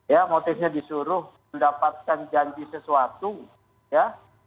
ya motifnya disuruh mendapatkan janji sesuatu ya